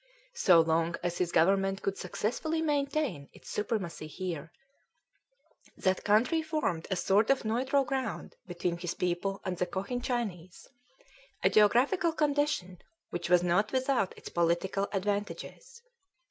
So long as his government could successfully maintain its supremacy there, that country formed a sort of neutral ground between his people and the Cochin Chinese; a geographical condition which was not without its political advantages.